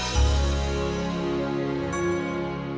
kau memang cerdas kakak